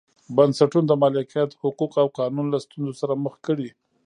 بنسټونو د مالکیت حقوق او قانون له ستونزو سره مخ کړي.